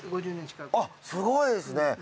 あっすごいですね。